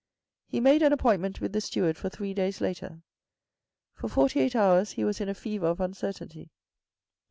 He made an appointment with the steward for three days later. For forty eight hours he was in a fever of uncertainty.